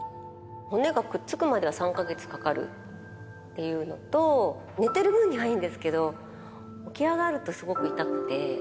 骨がくっつくまでは３か月かかるというのと、寝てる分にはいいんですけど、起き上がるとすごく痛くて。